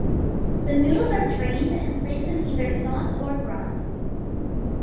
The noodles are drained and placed in either sauce or broth.